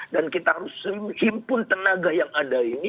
dan kita harus simpul tenaga yang ada ini